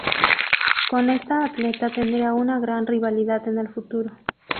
Con esta atleta tendría una gran rivalidad en el futuro.